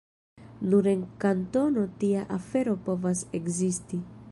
Nur en Kantono tia afero povas ekzisti.